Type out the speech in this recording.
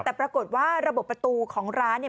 แต่ปรากฏว่าระบบประตูของร้านเนี่ย